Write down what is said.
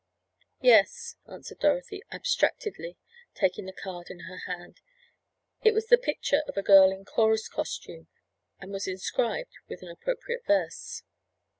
"Yes," answered Dorothy abstractedly, taking the card in her hand. It was the picture of a girl in chorus costume, and was enscribed with an appropriate verse.